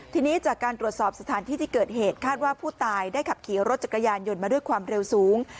ทีนี้จากการตรวจสอบสถานที่ที่เกิดเหตุคาดว่าผู้ตายได้ขับขี่รถจักรยานยนต์มาด้วยความเร็วสูง